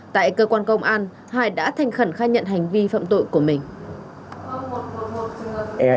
tại cơ quan công an hải đã thành khẩn khai nhận hành vi phạm tội của mình